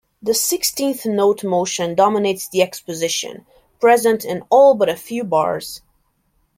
The sixteenth-note motion dominates the exposition, present in all but a few bars.